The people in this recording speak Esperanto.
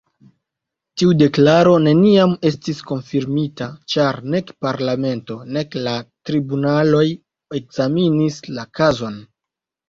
Tiu deklaro neniam estis konfirmita, ĉar nek parlamento nek la tribunaloj ekzamenis la kazon.